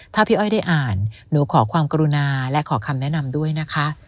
ถ้าพี่อ้อยได้อ่านหนูขอความกรุณาและขอคำแนะนำด้วยนะคะ